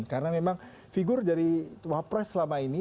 karena memang figur dari cawapres selama ini